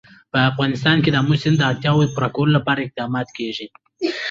په افغانستان کې د آمو سیند د اړتیاوو پوره کولو لپاره اقدامات کېږي.